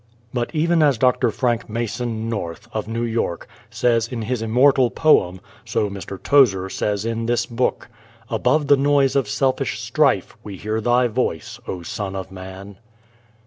But even as Dr. Frank Mason North, of New York, says in his immortal poem, so Mr. Tozer says in this book: Above the noise of selfish strife We hear Thy voice, O Son of Man.